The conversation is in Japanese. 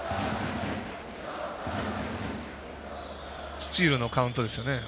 スチールのカウントですよね。